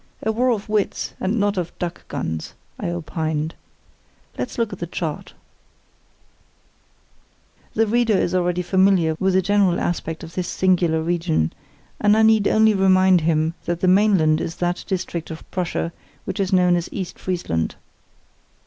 "A war of wits, and not of duck guns," I opined. "Let's look at the chart." Illustration: Map B of East Friesland. Map B The reader is already familiar with the general aspect of this singular region, and I need only remind him that the mainland is that district of Prussia which is known as East Friesland.